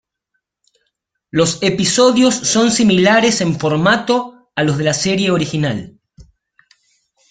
Los episodios son similares en formato a los de la serie original.